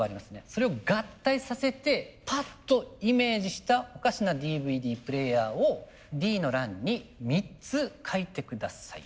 それを合体させてパッとイメージしたおかしなＤＶＤプレーヤーをＤの欄に３つ書いて下さい。